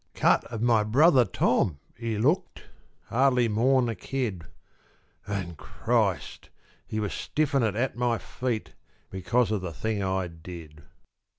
Cut of my brother Tom, he looked, Hardly more'n a kid; An', Christ! he was stiffenin' at my feet Because of the thing I did.